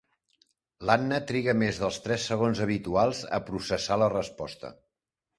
L'Anna triga més dels tres segons habituals a processar la proposta.